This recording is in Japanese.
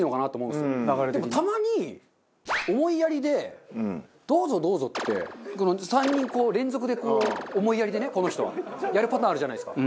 でもたまに思いやりで「どうぞどうぞ」って３人連続で思いやりでねこの人はやるパターンあるじゃないですか。